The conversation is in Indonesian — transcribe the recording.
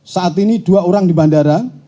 saat ini dua orang di bandara